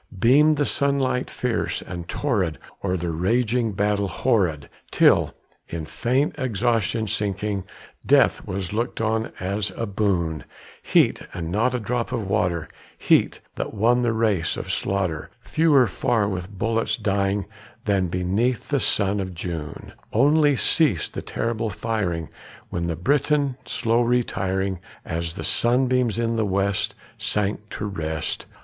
Beamed the sunlight fierce and torrid o'er the raging battle horrid, Till, in faint exhaustion sinking, death was looked on as a boon; Heat, and not a drop of water heat, that won the race of slaughter, Fewer far with bullets dying than beneath the sun of June; Only ceased the terrible firing, with the Briton slow retiring, As the sunbeams in the west sank to rest.